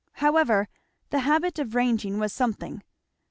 However the habit of ranging was something.